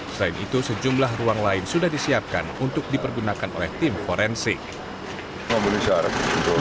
selain itu sejumlah ruang lain sudah disiapkan untuk dipergunakan oleh tim forensik